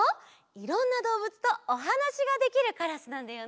いろんなどうぶつとおはなしができるカラスなんだよね。